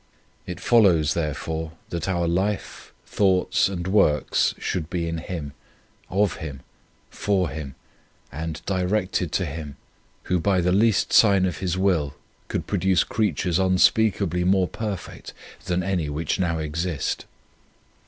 It follows, therefore, that our life, thoughts, and works should be in Him, of Him, for Him, and directed to Him, Who by the least sign of His will could produce creatures unspeakably more perfect than any which now exist.